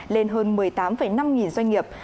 lên hơn một mươi tám năm nghìn doanh nghiệp